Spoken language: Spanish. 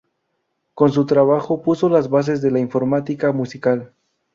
Con su trabajo puso las bases de la informática musical.